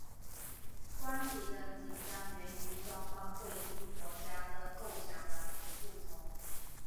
关系的紧张源于双方对新国家的构想完全不同。